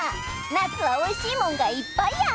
なつはおいしいもんがいっぱいや！